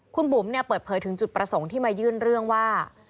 คุณบุ๋มเปิดเผยถึงจุดประสงค์ที่มายื่นเรื่องว่า